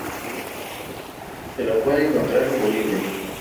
Se la puede encontrar en Bolivia.